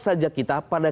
saja kita pada